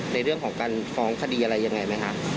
ในเรื่องของการฟ้องคดีอะไรยังไงไหมคะ